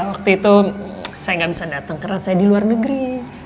waktu itu saya gak bisa datang karena saya di luar negeri